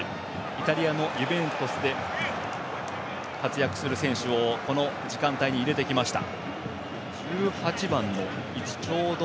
イタリアのユベントスで活躍する選手をこの時間帯に入れてきました。